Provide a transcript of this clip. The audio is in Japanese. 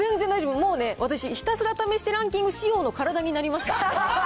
もうね、私、ひたすら試してランキング仕様の体になりました。